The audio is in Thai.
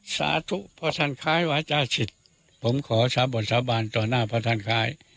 สาธุพระทันคลายวาชาชิตผมขอชาบทสาบานต่อหน้าพระทันคลาย